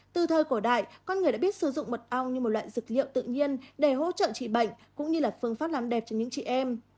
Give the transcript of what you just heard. từ thời cổ đại con người đã biết sử dụng mật ong như một loại dược liệu tự nhiên để hỗ trợ trị bệnh cũng như là phương pháp làm đẹp cho những chị em